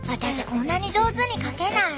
こんなに上手に描けない。